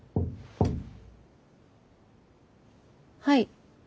はい。